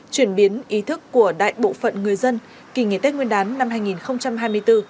chuyển biến ý thức của đại bộ phận người dân kỳ nghỉ tết nguyên đán năm hai nghìn hai mươi bốn